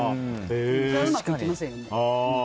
そりゃうまくいきませんよ。